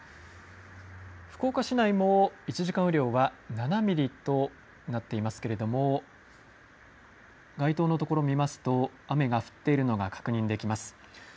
福岡市内も、１時間雨量は７ミリとなっていますけれども、街灯の所を見ますと、雨が降っているのが確認できます。